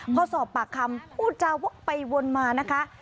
พอสอบปากคำพูดจาวกไปวนมานะคะ